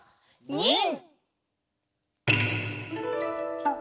ニン！